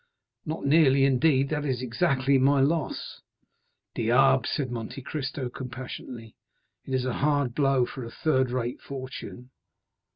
"Not nearly, indeed; that is exactly my loss." "Diable!" said Monte Cristo compassionately, "it is a hard blow for a third rate fortune."